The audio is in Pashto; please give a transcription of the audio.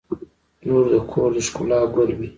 • لور د کور د ښکلا ګل وي.